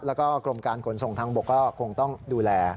แล้วก็กรมการขนส่งทางบกก็คงต้องดูแล